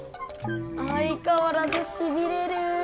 あいかわらずしびれる。